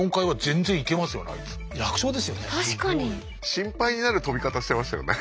心配になる跳び方してましたよね。